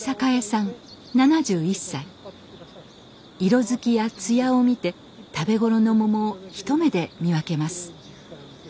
色づきや艶を見て食べ頃のモモを一目で見分けます。